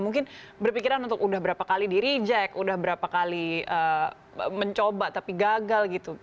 mungkin berpikiran untuk udah berapa kali di reject udah berapa kali mencoba tapi gagal gitu